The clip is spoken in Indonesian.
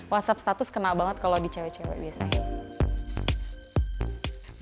whatsapp status kena banget kalau di cewek cewek biasanya